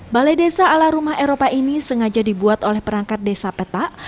balai desa ala rumah eropa ini sengaja dibuat oleh perangkat desa petak